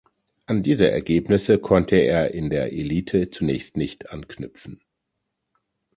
An diese Ergebnisse konnte er in der Elite zunächst nicht anknüpfen.